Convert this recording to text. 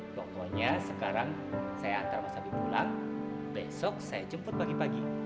pokoknya sekarang saya antar mas habib pulang besok saya jemput pagi pagi